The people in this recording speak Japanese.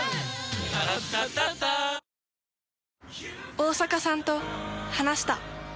大坂さんと話した。